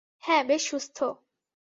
হ্যাঁ, বেশ সুস্থ।